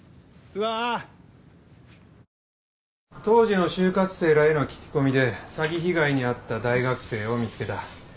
当時の就活生らへの聞き込みで詐欺被害に遭った大学生を見つけた。